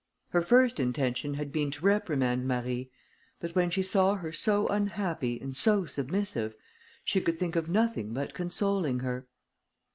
Her first intention had been to reprimand Marie; but when she saw her so unhappy, and so submissive, she could think of nothing but consoling her.